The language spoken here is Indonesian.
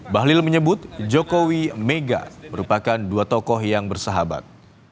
bahlil menyebut jokowi mega merupakan dua tokoh yang bersahabat